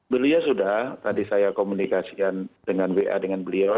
beliau sudah tadi saya komunikasikan dengan wa dengan beliau